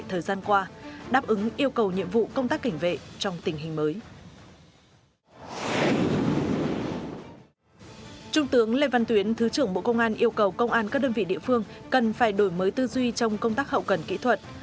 trung tướng lê văn tuyến thứ trưởng bộ công an yêu cầu công an các đơn vị địa phương cần phải đổi mới tư duy trong công tác hậu cần kỹ thuật